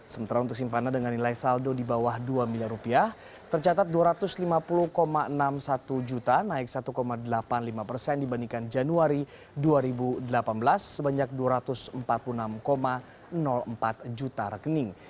sementara untuk simpanan dengan nilai saldo di bawah dua miliar rupiah tercatat dua ratus lima puluh enam puluh satu juta naik satu delapan puluh lima persen dibandingkan januari dua ribu delapan belas sebanyak dua ratus empat puluh enam empat juta rekening